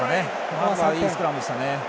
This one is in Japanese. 今のは、いいスクラムでしたね。